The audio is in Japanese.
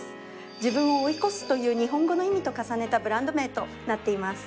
「自分を追い越す」という日本語の意味と重ねたブランド名となっています。